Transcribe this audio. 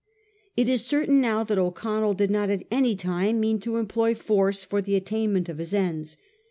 It is certain now that O'Con nell did not at any time mean to employ force for the attainment of his ends.